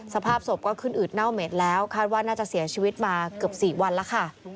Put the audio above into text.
สภาพศพก็ขึ้นอืดเน่าเหม็ดแล้วคาดว่าน่าจะเสียชีวิตมาเกือบ๔วันแล้วค่ะ